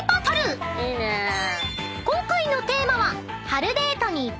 ［今回のテーマは］